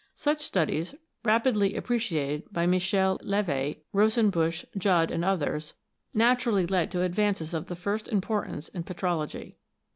Such studies, rapidly appreciated by Michel Levy, Rosenbusch, Judd, and others, naturally led to advances of the first importance in petrology.